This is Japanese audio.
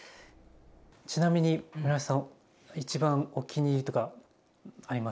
ちなみにムラヨシさん一番お気に入りとかありますか？